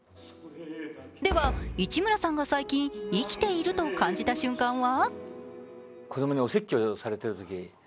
では、市村さんが最近、生きていると感じた瞬間は？